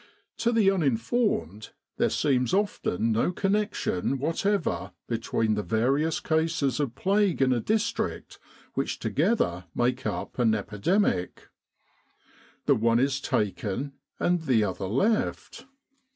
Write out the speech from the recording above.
To the uninformed, there seems often no connection whatever between the various cases of plague in a district which together make up an epidemic. The one is taken and the other left.